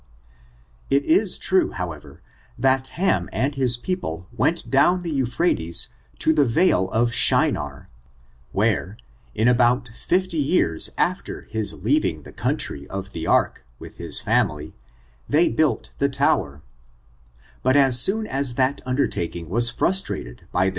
It is true, however, that Ham and his people went down the Euphrates to the vale of Shinar, where, in 10 ^^^1^^^^^% 218 CniQlVj CHABACTEB, ABB ^ I I about fifty years after his learing the country of the ark, with his fluxiilyi they built the tower. But as soon as that undertaking was frustrated by the